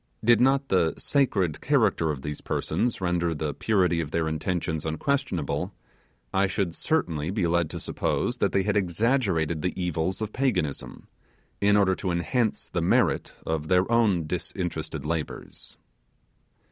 Did not the sacred character of these persons render the purity of their intentions unquestionable, I should certainly be led to suppose that they had exaggerated the evils of Paganism, in order to enhance the merit of their own disinterested labours.